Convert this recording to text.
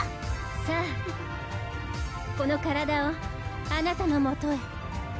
さぁこの体をあなたのもとへ。